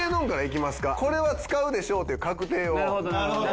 これは使うでしょうっていう確定を。